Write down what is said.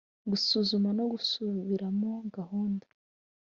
Gusuzuma no gusubiramo gahunda